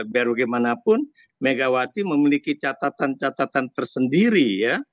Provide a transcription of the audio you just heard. biar bagaimanapun megawati memiliki catatan catatan tersendiri ya